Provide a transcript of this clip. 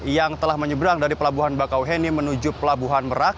yang telah menyeberang dari pelabuhan bakauheni menuju pelabuhan merak